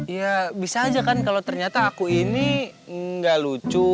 ya bisa aja kan kalau ternyata aku ini nggak lucu